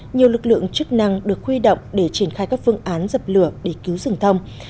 nhiều lực lượng chức năng được huy động để triển khai các phương án dập lửa để cứu rừng thông